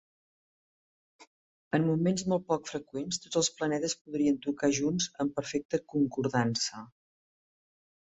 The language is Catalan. En moments molt poc freqüents tots els planetes podrien tocar junts en perfecta concordança.